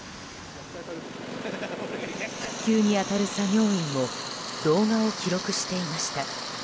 復旧に当たる作業員も動画を記録していました。